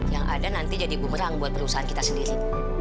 yang ada nanti jadi bumerang buat perusahaan kita sendiri